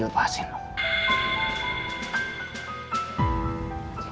kenapa saya dilepasin